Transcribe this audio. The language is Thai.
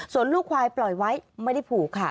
ส่วนลูกควายปล่อยไว้ไม่ได้ผูกค่ะ